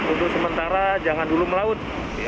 untuk sementara jangan dulu melaut